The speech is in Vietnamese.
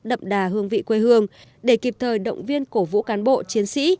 đậm đà hương vị quê hương để kịp thời động viên cổ vũ cán bộ chiến sĩ